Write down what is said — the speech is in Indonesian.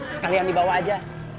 sekalian dibawa aja